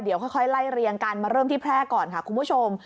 เดี๋ยวค่อยไล่เรียงกันมาเริ่มที่แพร่ก่อนค่ะคุณผู้ชม